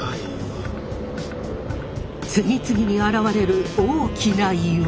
次々に現れる大きな岩。